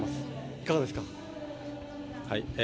いかがですか？